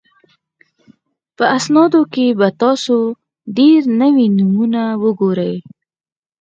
په اسنادو کې به تاسو ډېر نوي نومونه وګورئ